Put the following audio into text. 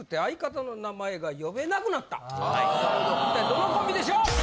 ・ああ・一体どのコンビでしょう？